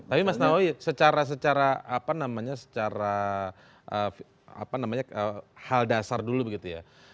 tapi mas nawawi secara hal dasar dulu begitu ya